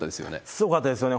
すごかったですよね。